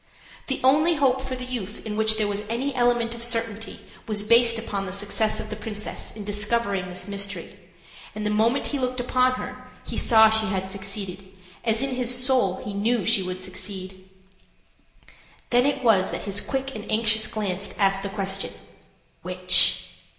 The only hope for the youth in which there was any element of certainty was based upon the success of the princess in discovering this mystery; and the moment he looked upon her, he saw she had succeeded, as in his soul he knew she would succeed. Then it was that his quick and anxious glance asked the question: "Which?"